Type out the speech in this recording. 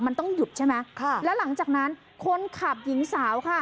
มันต้องหยุดใช่ไหมค่ะแล้วหลังจากนั้นคนขับหญิงสาวค่ะ